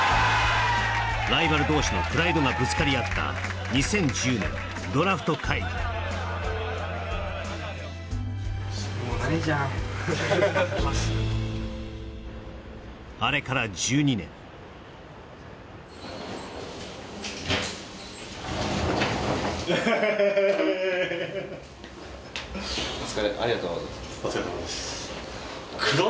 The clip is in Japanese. ライバル同士のプライドがぶつかり合った２０１０年ドラフト会議あれから１２年あははは黒い？